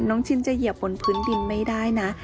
ชิ้นจะเหยียบบนพื้นดินไม่ได้นะ